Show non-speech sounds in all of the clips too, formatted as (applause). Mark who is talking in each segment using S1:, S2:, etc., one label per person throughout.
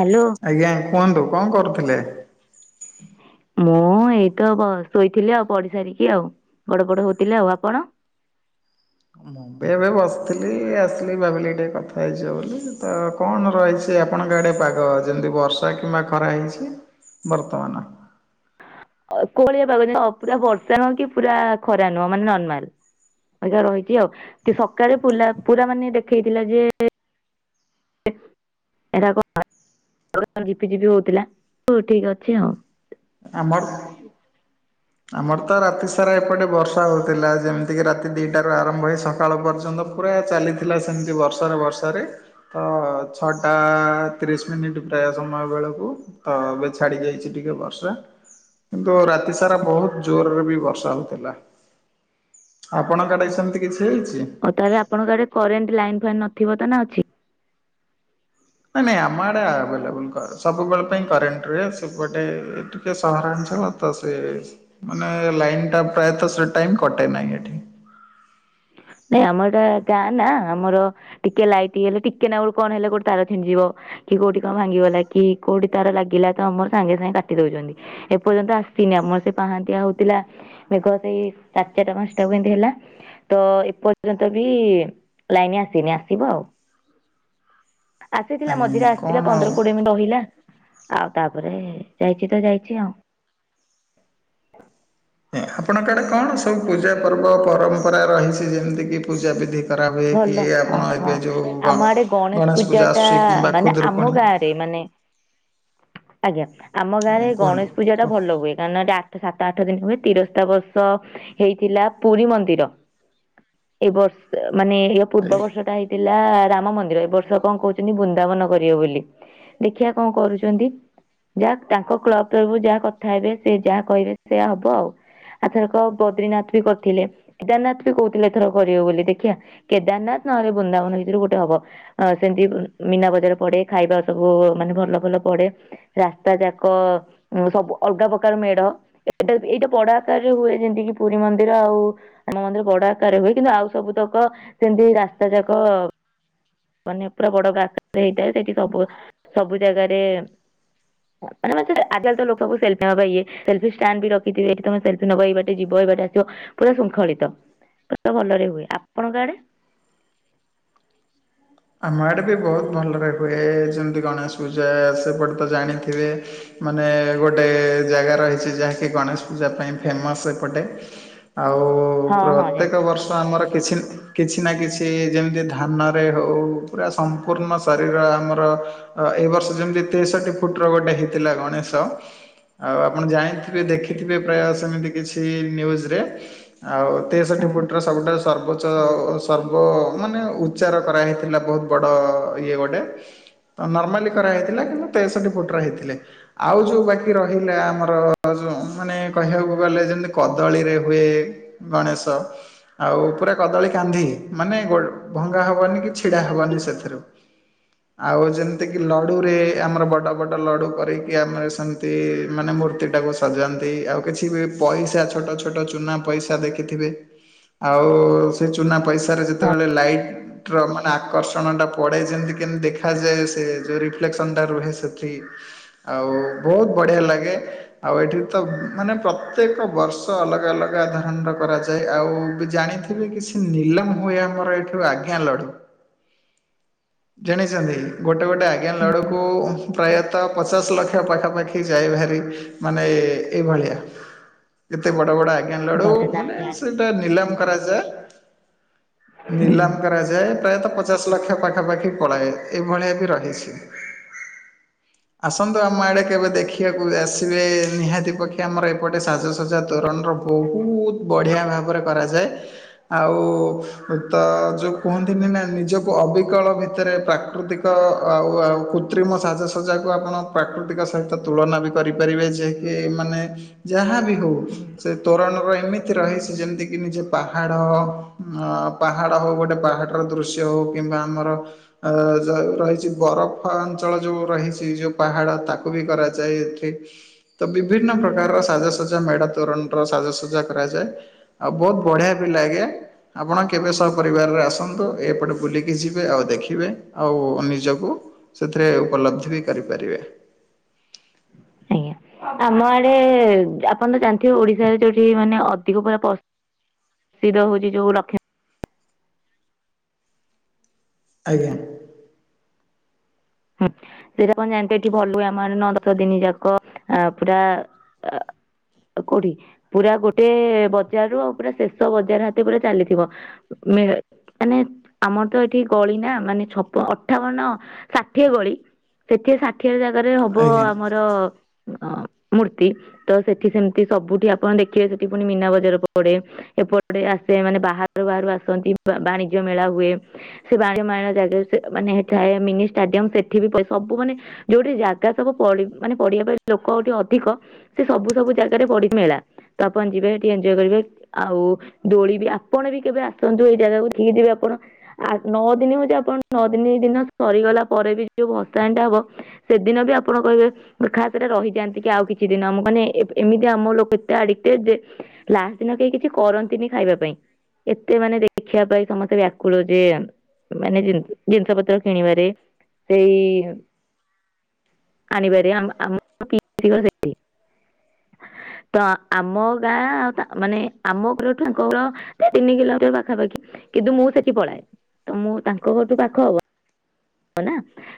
S1: Hello.
S2: ଆଜ୍ଞା କୁହନ୍ତୁ କଣ କରୁଥିଲେ?
S1: ମୁଁ ଏଇତ ଶୋଇଥିଲି ଆଉ ପଢି ସାରିକି ଆଉ ଗଡ ପଡ଼ ହଉଥିଲି ଆଉ ଆପଣ?
S2: ମୁଁ ଏ ଏବେ ବସିଥିଲି ଆସିଲି ଭାବିଲି ଟିକେ କଥା ହେଇଯିବା ବୋଲି ତ କଣ ରହିଛି ଯେ ଆପଣଙ୍କ ଆଡ଼େ ପାଗ ଯେମିତି ବର୍ଷା କିମ୍ବା ଖରା ହେଇଛି ବର୍ତ୍ତମାନ।
S1: କୋହଳିଆ ପାଗ ପୁରା ବର୍ଷା ନୁହଁ କି ପୁରା ଖରା ନୁହଁ ମାନେ ନର୍ମାଲ। ଏଇା ରହିଛି ଆଉ କି ସକାଳେ ପ ପୁରା ମାନେ ଦେଖେଇଥିଲା ଯେ ଏରା କଣ ଝିପି ଝିପି ହଉଥିଲା ହଉ ଠିକ ଅଛି ହଉ।
S2: ଆମର ଆମର ତ ରାତି ସାରା ଏପଟେ ବର୍ଷା ହେଉଥିଲା ଯେମିତିକି ରାତି ଦିଟାରୁ ଆରମ୍ଭ ହେଇ ସକାଳ ପର୍ଯ୍ୟନ୍ତ ପୁରା ଚାଲିଥିଲା ସେମିତି ବର୍ଷାରେ ବର୍ଷାରେ। ତ ଛଅଟା ତିରିଶ ମିନିଟ୍ ପ୍ରାୟ ସମୟ ବେଳକୁ ତ ଏବେ ଛାଡି ଯାଇଛି ଟିକେ ବର୍ଷା କିନ୍ତୁ ରାତି ସାରା ବହୁତ ଜୋରରେ ବି ବର୍ଷା ହଉଥିଲା ଆପଣଙ୍କ ଆଡେ ସେମିତି କିଛି ହେଇଛି?
S1: ହଉ ତାହେଲେ ଆପଣଙ୍କ ଆଡେ କରେଣ୍ଟ ଲାଇନ ଫାଇନ୍ ନଥିବ ତ ନା ଅଛି।
S2: ନାଇଁ ନାଇଁ ଆମ ଆଡେ ଆଭେଲେବୁଲ୍ ସବୁବେଳେ ପାଇଁ କରେଣ୍ଟ ସେପଟେ ଟିକେ ସହରାଞ୍ଚଳ ତ ସେ ମାନେ ଲାଇନ୍ଟା ପ୍ରାୟତ ସେ ଟାଇମ୍ କଟେ ନାହିଁ ଏଠି।
S1: ନାଇଁ ଆମର ଏଟ ଗାଁ ନା ଆମର ଟିକେ ଲାଇଟ୍ ହେଲେ ଟିକେ ନା ଗୋଟେ କଣ ହେଲେ ଗୋଟେ ତାର ଛିଣ୍ଡ ଯିବ କି କୋଉଠି କଣ ଭାଙ୍ଗିଗଲା କି କୋଉଠି ତାର ଲାଗିଲା ତ ଆମର ସାଙ୍ଗେ ସାଙ୍ଗେ କାଟି ଦଉଛନ୍ତି। ଏପର୍ଯ୍ୟନ୍ତ ଆସିନି ଆମର ସେ ପାହାଣ୍ଡିଆ ହଉଥିଲା ମେଘ ସେଇ ଚାରି ଚାରିଟା ପାଞ୍ଚଟାକୁ କେମିତି ହେଲା ତ ଏ ପର୍ଯ୍ୟନ୍ତ ବି ଲାଇନ ଆସିନି ଆସିବ ଆଉ। ଆସିଥିଲା
S2: ଆଜ୍ଞା
S1: ମଝିରେ ଆସିଥିଲା
S2: କଣ
S1: ପନ୍ଦର କୋଡିଏ ମିନିଟ ରହିଲା ଆଉ ତାପରେ ଯାଇଛି ତ ଯାଇଛି ଆଉ।
S2: ଆପଣଙ୍କ ଆଡେ କଣ ସବୁ ପୂଜା ପର୍ବ ପରମ୍ପରା ରହିଛି ଯେମିତିକି ପୂଜାବିଧି। କରାବେଏ
S1: ଭଲ
S2: କି
S1: ହଁ
S2: ଆପଣ
S1: ହଁ।
S2: ଏବେ ଯୋଉ
S1: ଆମ ଆଡେ
S2: ଗଣେଶ ପୂଜା ଆସୁଛି କିମ୍ବା ଖୁଦୁରୁକୁଣି।
S1: ସେଇମାନେ ଆଜ୍ଞା। ଆମ
S2: ଆଜ୍ଞା
S1: ଗାଁରେ
S2: କୁହନ୍ତୁ
S1: ଗଣେଶ ପୂଜାଟା
S2: କୁହନ୍ତୁ
S1: ଭଲ ହୁଏ। କ ଆଠ ସାତ ଆଠ ଦିନ ହୁଏ ତିରସ୍ତା ବର୍ଷ ହେଇଥିଲା ପୁରୀ ମନ୍ଦିର। ଏଇ ବର୍ଷ ମାନେ ୟା ପୂର୍ବ
S2: ଆଜ୍ଞା।
S1: ବର୍ଷଟା ହେଇ ଥିଲା ରାମ ମନ୍ଦିର, ଏ ବର୍ଷ କଣ କହୁଛନ୍ତି ବୃନ୍ଦାବନ କରିବେ ବୋଲି। ଦେଖିଆ କଣ କରୁଚ ଚନ୍ତି, ଯାହା ତାଙ୍କ କ୍ଲବ ତରଫରୁ ଯାହା କଥା ହେବେ, ସେ ଯାହା କହିବେ ସେୟା ହବ ଆଉ। ଆରଥରକ ବଦ୍ରିନାଥ ବି କରିଥିଲେ, କେଦାରନାଥ ବି କହୁଥିଲେ ଏଥରକ କରିବେ ବୋଲି। ଦେଖିଆ କେଦାରନାଥ ନହେଲେ ବୃନ୍ଦାବନ ଭିତରୁ ଗୋଟେ ହବ। ଅ ସେମିତି ମୀନା ବଜାର ପଡେ, ଖାଇବା ସବୁ ମାନେ ଭଲ ଭଲ ପଡେ, ରାସ୍ତା ଯାକ ସବୁ ଅଲଗା ପ୍ରକାର ମେଢ। ଏଇଟା ଏଇଟା ବଡ ଆକାରରେ ହୁଏ ଯେମତିକିି ପୁରୀ ମନ୍ଦିର ଆଉ ଆମ ମନ୍ଦିର ବଡ ଆକାରରେ ହୁଏ କିନ୍ତୁ ଆଉ ସବୁତକ ସେମତି ରାସ୍ତା ଯାକ ମାନେ ପୁରା ବଡ ଗାତଟେ ହେଇଥାଏ, ସେଠି ସବୁ ସବୁ ଜାଗାରେ ମାନେ ଆଜିକାଲି ତ ଲୋକ ସେଲ୍ଫି ନବା ପାଇଁ ଇଏ। ସେଲ୍ଫି ଷ୍ଟାଣ୍ଡ ବି ରଖିଥିବେ ତମେ ସେଲଫି ନବ ଏଇ ବାଟେ, ଯିବ ଏଇ ବାଟେ, ଆସିବ ପୁରା ଶୃଙ୍ଖଳିତ, ପୁରା ଭଲରେ ହୁଏ। ଆପଣଙ୍କ ଆଡେ?
S2: ଆମ ଆଡ଼େ ବି ବହୁତ ଭଲରେ ହୁଏ। ଯେମିତି ଗଣେଶ ପୂଜା ସେପଟେ ତ ଜାଣିଥିବେ ମାନେ ଗୋଟେ ଜାଗା ରହିଛି, ଯାହାକି ଗଣେଶ ପୂଜା ପାଇଁ ଫେମସ ଏପଟେ। ଆଉ
S1: ହଁ ହଁ
S2: ପ୍ରତ୍ୟେକ
S1: ଜାଣିଛି
S2: ବର୍ଷ ଆମର କିଛି ନ କିଛି ନା କିଛି ଯେମତି ଧାନରେ ହେଉ, ପୁରା ସମ୍ପୂର୍ଣ୍ଣ ଶରୀର ଆମର ଏଇ ବର୍ଷ ଯେମିତି ତେଷଠି ଫୁଟର ଗୋଟେ ହେଇଥିଲା ଗଣେଶ। ଆଉ ଆପଣ ଜାଣିଥି ଥିବେ,
S1: ଆଛା
S2: ଦେଖିଥିବେ, ପ୍ରାୟ ସେମିତି କିଛି ନ୍ୟୁଜରେ ଆଉ ତେଷଠି ଫୁଟର ସବୁଟା ସର୍ବୋଚ୍ଚ ସର୍ବ ମାନେ ଉଚ୍ଚାର କରାହେଇଥିଲା ବହୁତ ବଡ ଇଏ ଗୋଟେ। ନର୍ମାଲି କରାହେଇଥିଲା କିନ୍ତୁ ତେଷଠି ଫୁଟର ହେଇଥିଲେ। ଆଉ ଯୋଉ ବାକି ରହିଲା ଆମର ଯୋଉ ମାନେ କହିଆକୁ ଗଲେ ଯେମିତି କଦଳୀରେ ହୁଏ ଗଣେଶ। ଆଉ ପୁରା କଦଳୀ କାନ୍ଧି, ମାନେ ଗୋ ଭଙ୍ଗା ହବନି କି ଛିଡା ହବନି ସେଥିରୁ।
S1: ହ
S2: ଆଉ ଯେମତିକି ଲଡ଼ୁରେ, ଆମର ବଡ଼ ବଡ଼ ଲଡ଼ୁ କରେଇକି ଆମର ସେମତି ମାନେ ମୂର୍ତ୍ତିଟାକୁ ସଜାନ୍ତି, ଆଉ କିଛି ବି ପଇସା ଛୋଟ ଛୋଟ ଚୁନା ପଇସା ଦେଖିଥିବେ ଆଉ ସେ ଚୁନା ପଇସାରେ
S1: ହଁ
S2: ଯେତେବେଳେ ଲାଇଟ୍ ମାନେ ଆକର୍ଷଣଟା ପଡେ ଯେମତି କେମତି ଦେଖାଯାଏ ସେ ଯୋଉ ରିଫ୍ଲେକ୍ସନଟା ରୁହେ ସେଠି ଆଉ ବହୁତ ବଢ଼ିଆ ଲାଗେ ଆଉ ଏଠି ତ ମାନେ ପ୍ରତ୍ୟେକ ବର୍ଷ ଅଲଗା ଅଲଗା ଧରଣର କରାଯାଏ। ଆଉ ବି ଜାଣିଥା ଥିବେ କିଛି ନିଲାମ ହୁଏ ଆମର ଏଠୁ ଆଜ୍ଞା ଲଢୁ। ଜାଣିଛନ୍ତି, ଗୋଟେ ଗୋଟେ ଆଜ୍ଞା ଲଡୁକୁ ପ୍ରାୟତଃ ପଚାଶ ଲକ୍ଷ ପାଖାପାଖି ଯାଏ ଭାରି ମାନେ ଏଇଭଳିଆ। କେତେ ବଡ଼ ବଡ଼ ଆଜ୍ଞା ଲଡୁ
S1: ଭଲରେ ନା
S2: ମାନେ ସେ
S1: ଜାଣିନି
S2: ଇଟା ନିଲାମ କରାଯାଏ,
S1: ହୁଁ
S2: ନିଲାମ କରାଯାଏ ପ୍ରାୟତଃ ପଚାଶ ଲକ୍ଷ ପାଖାପାଖି ପଳାଏ, ଏଇଭଳିଆ ବି ରହିଛି। ଆସନ୍ତୁ ଆମ ଆଡେ କେବେ ଦେଖି ଦେଖିଆକୁ ଆସିବେ ନିହାତି ପକ୍ଷେ ଆମର ଏପଟେ ସାଜସଜ୍ଜା ତୋରଣର ବହୁତ ବଢ଼ିଆ ଭାବରେ କରାଯାଏ ଆଉ ତ ଯୋଉ ଦିନେ ନା ନିଜକୁ ଅବିକଳ ଭିତରେ ପ୍ରାକୃତିକ ଆଉ ଆଉ କୃତ୍ରିମ ସାଜସଜ୍ଜାକୁ ଆପଣ ପ୍ରାକୃତିକ ସହିତ ତୁଳନା ବି କରିପାରିବେ, ଯେ କିି ଏହି ମାନେ ଯାହା ବି ହଉ,
S1: ହୁଁ
S2: ସେ ତୋରଣର ଏମିତି ରହିଛି ଯେମତିକି ନିଜେ ପାହାଡ, ଆ ପାହାଡ ହଉ ଗୋଟେ ପାହାଡ଼ର ଦୃଶ୍ୟ ହଉ କିମ୍ବା ଆମର ଅ ଯ ରହିଛି ବରଫ ଅଞ୍ଚଳ ଯୋଉ ରହିଛି ଯୋଉ ପାହା ଡ଼ ତାକୁ ବି କରାଯାଏ ଏଠି। ତ ବିଭିନ୍ନ ପ୍ରକାରର ସାଜାସଜା ମେଢା ତୋରଣର ସାଜାସଜା କରାଯାଏ। ଆଉ ବହୁତ ବଢ଼ିଆ ବି ଲାଗେ ଆପଣ କେବେ ସହ ପରିବାରରେ ଆସ ନ୍ତୁ ଏପଟେ ବୁଲିକି ଯିବେ ଆଉ ଦେଖିବେ ଆଉ ନିଜକୁ ସେଥିରେ ଉପଲବ୍ଧି ବି କରିପାରିବେ।
S1: ଆଜ୍ଞା। ଆମ ଆଡେ ଆପଣ ତ ଜାଣିଥିବେ ଓଡିଶାରେ ଯୋଉଠି ମାନେ ଅଧିକ ପୁରା ପ ସିଦ୍ଧ ହଉଛି ଯୋଉ ଲକ୍ଷେ
S2: ଆଜ୍ଞା।
S1: ହୁଁ ସେଇଟାପଣ ଜାଣିଥେ ଏଠି ଭଲ ହୁଏ ଆମର ନଅ ଦଶ ଦିନି ଯାକ ଆ ପୁରା ଆ କୋଉଠି ପୁରା ଗୋଟେ ବଜାରରୁୁ ଆଉ ପୁରା ଶେଷ ବଜାର ହାତ ପୁରା ଚାଲିଥିବ। ମାନେ ଆମର ତ ଏଠି ଗଳି ନା ମାନେ ଛପନ ଅଠାବନ ଷା ଷାଠିଏ ଗଳି ସେଠି ଷାଠିଏ ଜାଗାରେ ହବ
S2: ଆଜ୍ଞା।
S1: ଆମର ଅ ମୂର୍ତ୍ତି ତ ସେଠି ସେମିତି ସବୁଠି ଆପଣ ଦେଖିବେ ସେଠି ପୁଣି ମୀନା ବଜାର ପଡେ। ଏପଟେ ଆସେ ମାନେ ବାହାରୁ ବାହାରୁ ଆସନ୍ତି ବାଣିଜ ମେଳା ହୁଏ। ସେ ବାଣିଜ ମେଳା ଜାଗା ମାନେ ଏ ମିନି ଷ୍ଟାଡିୟମ ସେଠି ବି ପ ସବୁ ମାନେ ଯୋଉଠି ଜାଗା ସବୁ ମାନେ ପଢିବା ପାଇଁ ଲୋକଠି ଅଧିକ ସେ ସବୁ ସବୁ ଜାଗାରେ ପଡି ମେଳା ତ ଆପଣ ଯିବେ ଟିକେ ଏନ୍ଜୟ କରିବେ। ଆଉ ଦୋଳି ବି ଆପଣ ବି କେବେ ଆସନ୍ତୁ ଏଇ ଜାଗାକୁ ଠିକି ଯିବେ ଆପଣ ଆ ନଅ ଦିନ ହଉଛି ଆପଣ ନଅ ଦିନି ଦିନ ସରିଗଲା ପରେ ବି ଯୋଉ ବର୍ଷାଣି ଟା ହବ ସେଦିନ ବି ଆପଣ କହିବେ ଖା ସେଟା ରହିଯାଆନ୍ତି କି ଆଉ କିଛି ଦିନ ଆମ ମାନେ ଏମିତି ଆମ ଲୋକ ଏତେ ଆଡିକଟେ ଯେ ଲାଷ୍ଟ ଦିନ କେହି କିଛି କରନ୍ତିନି ଖାଇବା ପାଇଁ। ଏତେ ମାନେ ଦେଖିବା ପାଇଁ ସମସ୍ତେ ବ୍ୟାକୁଳ ଯେ ମାନେ ଜିନିଷ ପତ୍ର କିଣିବାରେ। ସେଇ ଆଣିିବରେ ଆ ଆମ ପି (inaudible) ତ ଆମ ଗାଁ ଆଉ ମାନେ ଆମ ଘର ଙ୍କର ତିନି କିଲୋମିଟର ପାଖାପାଖି। କିନ୍ତୁ ମୁଁ ସେଠି ପଳାଏ ତ ମୁଁ ତାଙ୍କ ଘରଠୁ ପାଖ ହବ। ହ ନା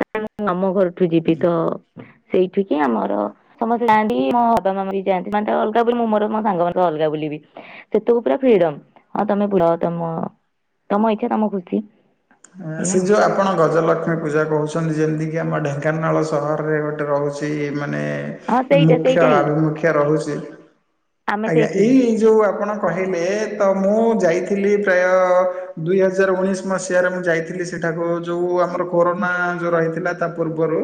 S1: କାର ଆମ ଘରଠୁ ଯିବି ତ ସେଇଠିକି ଆମର ସମସ୍ତେ ଯାଆନ୍ତି ମୋ ବାବା ମାମ ବି ଯାଆନ୍ତି ମାନେ ଅଲଗା ବୋଲି ମୁଁ ମୋର ମୋ ସାଙ୍ଗ ମାନଙ୍କ ଅଲଗା ବୁଲିବି। ସେତକ ପୁରା ଫ୍ରିଡମ ହଁ ତମେ ପୁର ତମ ତମ ଇଛା ତମ ଖୁସି। ଏଇଆ
S2: ସେ
S1: ଆଉ
S2: ଯୁଆ ଆପଣ ଗଜଲକ୍ଷ୍ମୀ ପୂଜା କହୁଛନ୍ତି ଯେମିତିକି ଆମ ଢେଙ୍କାନାଳ ସହରରେ ଗୋଟେ ରହୁଛି ମାନେ
S1: ହଁ ସେଇଟା
S2: ମୁଖ୍ୟ
S1: ସେଇଟା ହିଁ
S2: ଆଭିମୁଖ୍ୟ ରହୁଛି।
S1: ଆମେ
S2: ଆଜ୍ଞା
S1: ସେଇଠିକି
S2: ଏଇଇ ଯୋଉ ଆପଣ କହିଲେ ତ ମୁଁ ଯାଇଥିଲି ପ୍ରାୟ ଦୁଇ ହଜାର ଉଣେଇଶ ମସି ହାରେ ମୁଁ ଯାଇଥିଲି ସେଠାକୁ ଯୋଉ ଆମର କୋରୋନା ଯୋଉ ରହିଥିଲା ତା ପୂର୍ବରୁ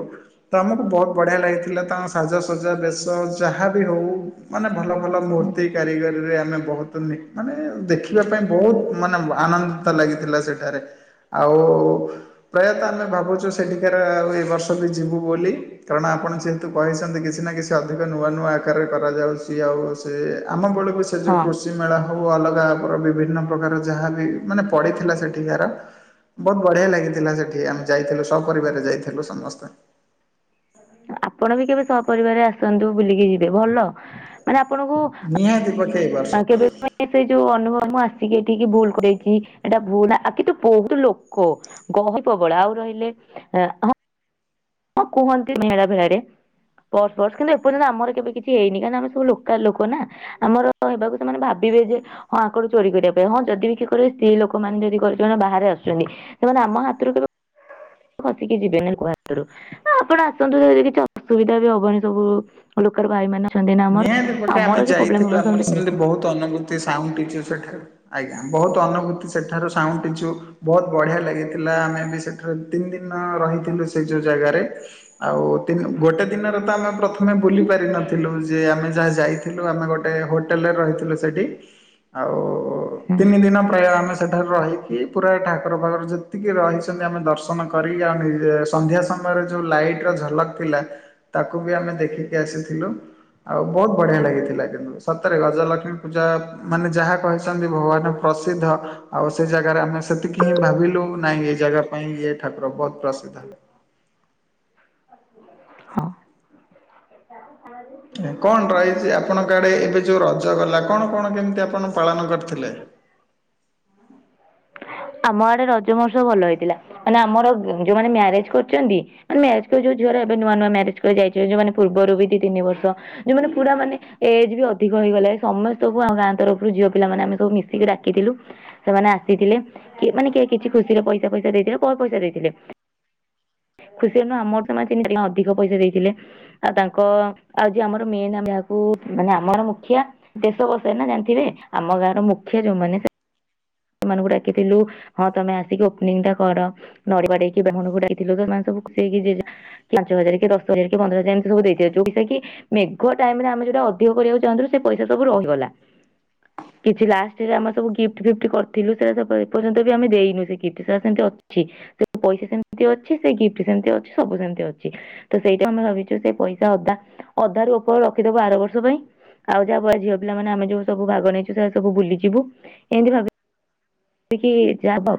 S2: ତ ଆମକୁ ବହୁତ ବଢ଼ିଆ ଲାଗିଥିଲା ତାଙ୍କ ସାଜସଜା ବେଶ ଯାହା ବିି ହଉ ମାନେ ଭଲ ଭଲ ମୂର୍ତ୍ତି କାରିଗରୀରେ ଆମେ ବହୁତ ନି ମାନେ ଦେଖିବା ପାଇଁ ବହୁତ ମାନେ ଆନନ୍ଦିତ ଲାଗିଥିଲା ସେଠାରେ। ଆଉ ପ୍ରାୟତଃ ଆମେ ଭାବୁଛୁ ସେଠିକାର ଆଉ ଏ ବର୍ଷ ବି ଯିବୁ ବୋଲି। କାରଣ ଆପଣ ଯେହେତୁ କହିଛନ୍ତି। କିଛି ନା କିଛି ଅଧିକ ନୂଆ ନୂଆ ଆକାରରେ କରାଯାଉଛି। ଆଉ ସେ ଆମ ବେଳକୁ ସେ ସେ ଯୋଉ
S1: ହଁ
S2: କୃଷି ମେଳ ହଉ ଅଲଗା ବିଭିନ୍ନ ପ୍ରକାର ଯାହାବି ମାନେ ପଡିଥିଲା ସେଠିକାର। ବହୁତ ବଢିଆ ଲାଗିଥିଲା ସେଠି ଆମେ ଯାଇଥିଲୁ ସବୁ ପରିବାରରେ ଯାଇଥିଲୁ ସମସ୍ତେ।
S1: ଆପଣ ବି କେବେ ସପରିବାର ଆସନ୍ତୁ ବୁଲିକି ଯିବେ ଭଲ। ମାନେ ଆପଣଙ୍କୁ
S2: ନିହାତି ପକେଇବା।
S1: ଆ କେବେ ସେ ଯୋଉ ଅନୁଭବ ମୁଁ ଆସିକି ଏଠିକି ଭୁଲ କରଛି ଏଇଟା ଭୁଲ ଆ କି ତୁ ବହୁତ ଲୋକ। ଗହଳି ପ୍ରବଳ ଆଉ ରହିଲେ ହଁ ହଁ କୁହନ୍ତି ମେଳା ଭେଳାରେ ପରର୍ସ ବର୍ସ କିନ୍ତୁ ଏର୍ଯ୍ୟନ୍ତ ଆମର କେବେ କିଛି ଏଇନି କାହିଁକ ଆମ ସବୁ ଲୋକାଲ ଲୋକ ନା। ଆମର ହେବାକୁ ସେମାନେ ଭାବିବେ ଯେ ହଁ ଆଙ୍କରୁୁ ଚୋରି କରିବା ପାଇଁ ହଁ ଯଦି ବି କିଏ କରେ ସ୍ତ୍ରୀ ଲୋକମାନେ ଯଦି କରେ କରୁଛନ୍ତି ବାହାରେ ଆସୁଛନ୍ତି। ସେମାନେ ଆମ ହାତରୁ କେବେ (inaudible) ଖସିକି ଯିବେନି କୁହା। ତରୁ ଆପଣ ଆସନ୍ତୁ ଯଦି କିଛି ଅସୁବିଧା ବି ହବନି ସବୁ ଲୋକାଲ୍ ଭାଇ ମାନେ ଅଛନ୍ତି ନା ଆମର
S2: ନିହାତି ଗୋଟେ ଆମେ
S1: ଆମର ବି
S2: ଯାଇଥିଲୁ
S1: ପ୍ରବ୍ଲେମ
S2: ଆମର ସେମିତି
S1: (unintelligible)
S2: ବହୁତ ଅନୁଭୂତି ସାଉଁଟିଛୁ ସେଠାରୁ ଆଜ୍ଞା ବହୁତ ଅନୁଭୂତି ସେଠାରୁୁ ସାଉଁଟିଛୁ ବହୁତ ବଢିଆ ଲାଗିଥିଲା। ଆମେ ବି ସେଠରେ ତିନି ଦିନ ରହିଥିଲୁ ସେ ଯୋଉ ଜାଗାରେ। ଆଉ ତିନ ଗୋଟେ ଦିନରେ ତ ଆମେ ପ୍ରଥମେ ବୁଲି ପାରିିନଥିଲୁ। ଆମେ ଯାହା ଯାଇଥିଲୁ ଆମେ ଗୋଟେ ହୋଟେଲରେ ରହିଥିଲୁ ସେଠି ଆଉ
S1: ହୁଁ
S2: ତିିନି ଦିନ ପ୍ରାୟ ଆମେ ସେଠାରେ ରହିକି ପୁରା ଠାକୁର ଫାକୁର ଯେତିକି ରହିଛନ୍ତି ଆମେ ଦର୍ଶନ କରିକି ଆଉ ନିଜେ ସନ୍ଧ୍ୟା ସମୟରେ ଯୋଉ ଲାଇଟ ର ଝଲକ୍ ଥିଲା ତାକୁ ବି ଆମେ ଦେଖିକି ଆସିଥିଲୁ। ଆଉ ବହୁତ ବଢ଼ିଆ ଲାଗିଥିଲା କିନ୍ତୁ ସତରେ ଗଜଲକ୍ଷ୍ମୀ ପୂଜା ମାନେ ଯାହା କହିଛନ୍ତି ଭଗବାନ। ପ୍ରସିଦ୍ଧ ଆଉ ସେ ଜାଗାରେ ଆମେ ସେତିକି ହିଁ ଭାବିଲୁ ନାଇ ଏ ଜାଗା ପାଇଁ ଇଏ ଠାକୁର ବହୁତ ପ୍ରସିଦ୍ଧ।
S1: (inaudible) ହଁ (inaudible)
S2: କଣ ରହିଚି ଆପଣଙ୍କ ଆଡ଼େ ଏବେ ଯୋଉ ରଜ ଗଲା କଣ କଣ କେମିତି ଆପଣ ପାଳନ କରିଥିଲେ?
S1: ଆମ ଆଡେ ରଜମହୋତ୍ସବ ଭଲ ହେଇଥିଲା। ମାନେ ଆମର ଯୋଉମାନେ ମ୍ୟାରେଜ କରୁଚନ୍ତି ମ୍ୟାରେଜ କରି ଯଉ ଝିଅ ରା ଏବେ ନୂଆ ନୂଆ ମ୍ୟାରେଜ କରିଯାଇଥିବେ ଯଉ ମାନ ପୂର୍ବରୁ ବି ଦି ତିନି ବର୍ଷ ଯୋଉମାନେ ପୁରା ମାନେ ଏଜ୍ ବି ଅଧିକ ହେଇଗଲା ସମସ୍ତଙ୍କୁୁ ଆମ ଗାଁ ତରଫରୁ ଝିଅ ପିଲାମାନେେ ଆମେ ସବୁ ମିଶିକି ଡାକିଥିଲୁ। ସେମାନେ ଆସିଥିଲେ କି ମାନେ କି କିଛି ଖୁସିର ପଇସା ପଇସା ଦେଇଥିଲେ କମ ପଇସା ଦେଇଥିଲେ। ଖୁସି ରେ ନୁଅ ଆମର ତ ମାନେ ଅଧିକ ପଇସା ଦେଇଥିଲେ। ଆଉ ତାଙ୍କ ଆଉ ଯେ ଆମର ମେନ ଆମେ ଯାହାକୁ ମାନେ ଆମର ମୁଖିଆ ଦେଶ ବସେ ନା ଜାଣିଥିବେ ଆମ ଗାଁର ମୁଖ୍ୟା ଯୋଉମାନେ ସେମାନଙ୍କୁ ଡାକିଥିଲୁ ହଁ ତମେ ଆସିକି ଓପନିଂ ଟା କର। ନଡିିଆବଡେଇକି ବ୍ରାହ୍ମଣ କୁ ଡାକିଥିଲୁ ସେମାନେ ସବୁ ଖୁସି ହେଇକି ଯିଏ ଜା ପାଞ୍ଚ ହଜାର, କେ ଦଶ ହଜାର, କେ ପନ୍ଦର ହଜାର ଏମତି ସବୁ ଦେଇଦିଅ ଯୋଉକା କି ମେଘ ଟାଇମ ରେ ଆମେ ଯଉଟା ଅଧିକ କରିବାକୁ ଚାହୁଁଥିଲୁ ସେ ପଇସା ସବୁ ରହିଗଲା। କିଛି ଲାଷ୍ଟ ରେ ଆମେବୁ ଗିଫ୍ଟ ଫିଫ୍ଟ କରି ଥିଲୁ ସେଟା ଏପର୍ଯ୍ୟନ୍ତ ବି ଆମେ ଦେଇନୁ ସେ ଗିଫ୍ଟ ସଟା ସେମିତି ଅଛି। ସେ ପଇସା ସେମିତି ଅଛି। ସେ ଗିଫ୍ଟ ସେମିତି ଅଛି। ସବୁ ସେମିତି ଅଛି। ତ ସେଇଟା ଆମେ ଭାବିଛୁ ସେ ପଇସା ଅଦା ଅଧା ର ଉପର ରଖିଦବୁ ଆର ବର୍ଷ ପାଇଁ। ଆଉ ଯାହାବଏ ଓ ଝିଅ ପିଲା ମାନେ ଯୋଉ ସବୁ ଭାଗ ନେଇଛୁ ସେମାନେ ସବୁ ବୁଲିଯିବୁ ଏମିତି ଭାବୁ ଟି କି ଯା ହବ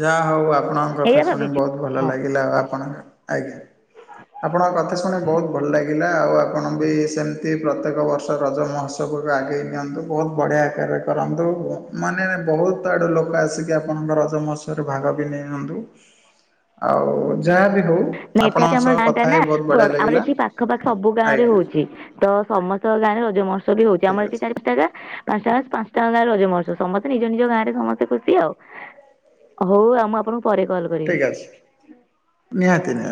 S2: ଯାହା ହଉ ଆପଣଙ୍କ କଥା
S1: ଏଇଆ
S2: ଶୁଣି
S1: ଭାବିଛୁ।
S2: ବହୁତ ଭଲ ଲାଗିଲା ଆଉ ଆପଣ ଆଜ୍ଞା ଆପଣଙ୍କ କଥା ଶୁଣ ବହୁତ ଭଲ ଲାଗିଲା। ଗିଲା ଆଉ ଆପଣ ବି ସେମିତି ପ୍ରତ୍ୟେକ ବର୍ଷ ରଜ ମହୋତ୍ସବକୁ ଆଗେଇ ନିଅନ୍ତୁ ବହୁତ ବଢ଼ିଆ କରନ୍ତୁ ମାନେ ବହୁତ ଆଡୁ ଲୋକ ଆସିକି ଆପଣଙ୍କ ରଜମହୋତ୍ସଵ ଭାଗ ବି ନେଇ ନିଅନ୍ତୁ ଆଉ ଯାହା ବି ହଉ
S1: ନେଟାଟି
S2: ଆପଣଙ୍କ
S1: ଆମ
S2: ସହ
S1: ଗାଁ ଟା
S2: କଥା
S1: ନା
S2: ହେଇ ବହୁତ ବଢ଼ିଆ
S1: ଆମର
S2: ଲାଗିଲା।
S1: ଏଠି ପାଖ ପାଖ ସବୁ ଗାଁ ରେ
S2: ଆଜ୍ଞା
S1: ହଉଛି। ତ ସମସ୍ତଙ୍କ ଗାଁରେ ରଜମହୋତ୍ସବ୍ ବି ହଉଚି
S2: ଠିକ୍
S1: ଆମର
S2: ଅଛି
S1: ଏଠି ଚାରି ପାଞ୍ଚାଟା ଗାଁ। ପାଞ୍ଚଟା ଗାଁ ପାଞ୍ଚଟା ଗାଁରେ ରଜମହୋତ୍ସବ ସମସ୍ତେ ନିଜ ନିଜ ଗାଁରେ ସମସ୍ତେ ଖୁସି ଆଉ। ହଉ ଆମ ଆପଣଙ୍କୁ ପରେ କଲ କରିବି।
S2: ଠିକ ଅଛି ନିହାତି ନିହାତି।